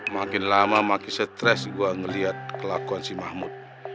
makin lama makin stres gue ngeliat kelakuan si mahmud